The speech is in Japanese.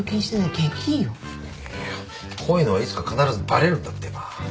いやこういうのはいつか必ずバレるんだってば。